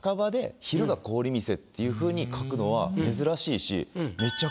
っていうふうに書くのは珍しいし。